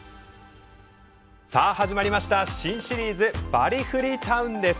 さあ始まりました新シリーズ「バリフリ・タウン」です。